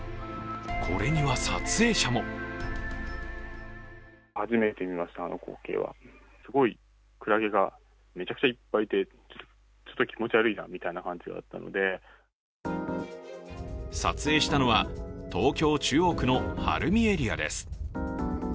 これには撮影者も撮影したのは東京・中央区の晴海エリアです。